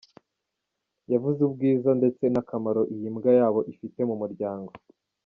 Yavuze ubwiza ndetse n’akamaro iyi mbwa yabo ifite mu muryango.